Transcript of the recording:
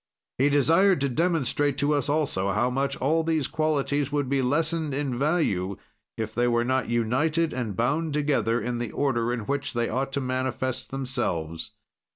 He desired to demonstrate to us also how much all these qualities would be lessened in value if they were not united and bound together in the order in which they ought to manifest themselves.